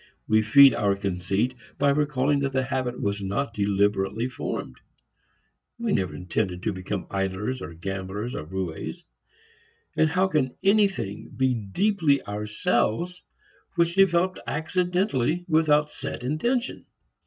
We feed our conceit by recalling that the habit was not deliberately formed; we never intended to become idlers or gamblers or rouès. And how can anything be deeply ourselves which developed accidentally, without set intention?